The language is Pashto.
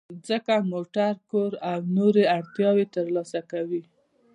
ځکه موټر، کور او نورې اړتیاوې ترلاسه کوئ.